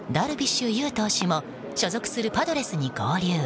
ダルビッシュ有投手も所属するパドレスに合流。